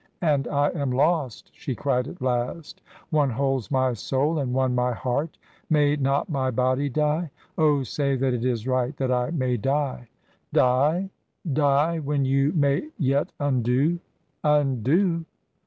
"And I am lost!" she cried at last. "One holds my soul, and one my heart! May not my body die? Oh, say that it is right that I may die!" "Die? Die when you may yet undo?" "Undo?"